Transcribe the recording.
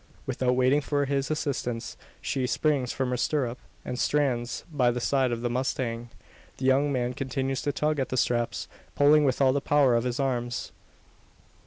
Without waiting for his assistance, she springs from her stirrup, and stands by the side of the mustang. The young man continues to tug at the straps, pulling with all the power of his arms.